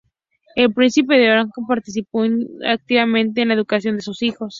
El príncipe de Orange participó activamente en la educación de sus hijos.